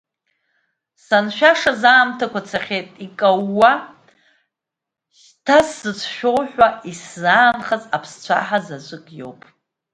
Саншәашаз аамҭақәа цахьеит икаууа, шьҭа сзыцәшәо ҳәа исзаанхаз аԥсцәаҳа заҵәык иоуп!